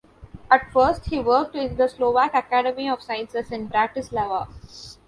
At first, he worked in the Slovak Academy of Sciences in Bratislava.